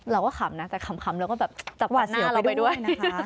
เราก็ขำนะแต่ขำเราก็แบบจับตัวหน้าเราไปด้วย